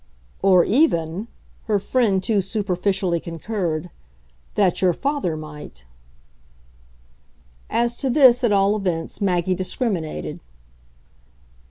"Or even," her friend too superficially concurred, "that your father might!" As to this, at all events, Maggie discriminated.